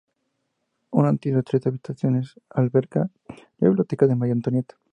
Un altillo de tres habitaciones alberga la biblioteca de María Antonieta.